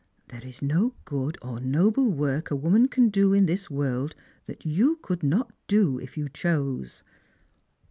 There is no good or noble work a woman can do in this woi ld that you could not do, if you chose."